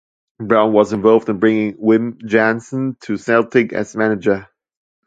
Brown was involved in bringing Wim Jansen to Celtic as manager.